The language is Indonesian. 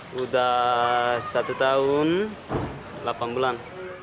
sudah satu tahun delapan bulan